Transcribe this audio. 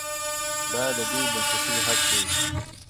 دا د دوی بنسټیز حق دی.